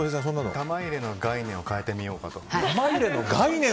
玉入れの概念を変えてみようかと。